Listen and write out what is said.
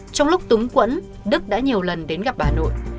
trong lúc túng quẫn đức đã nhiều lần đến gặp bà nội